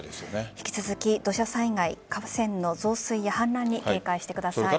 引き続き土砂災害、河川の増水や氾濫に警戒してください。